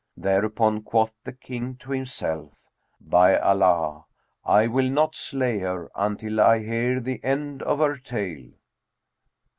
Thereupon quoth the King to himself, "By Allah, I will not slay her until I hear the end of her tale."